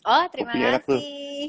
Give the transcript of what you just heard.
oh terima kasih